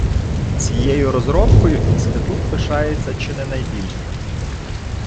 Цією розробкою інститут пишається чи не найбільше.